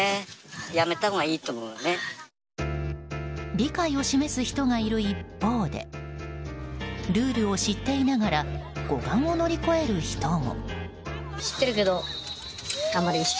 理解を示す人がいる一方でルールを知っていながら護岸を乗り越える人も。